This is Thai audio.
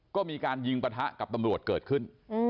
ก็มีการยิงปะทะกับตำรวจเกิดขึ้น